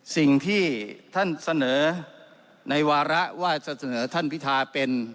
สิ่งที่ท่านเสนอในวาระว่าจะเสนอท่านพิทาเป็น